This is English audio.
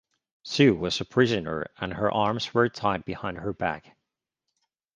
Sue was a prisoner and her arms were tied behind her back.